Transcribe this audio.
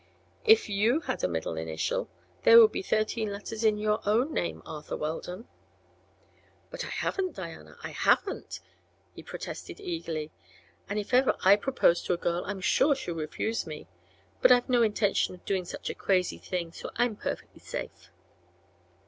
"If you had a middle initial, there would be thirteen letters in your own name, Arthur Weldon." "But I haven't, Diana; I haven't," he protested, eagerly. "And if ever I propose to a girl I'm sure she'll refuse me. But I've no intention of doing such a crazy thing, so I'm perfectly safe."